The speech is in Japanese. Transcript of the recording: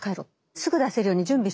すぐ出せるように準備しとけ。